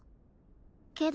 けど。